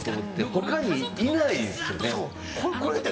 他にいないですよね。